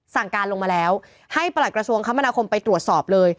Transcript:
สั่งการลงมาแล้วให้ประหลักระทรวงคมนาคมไปตรวจสอบเลย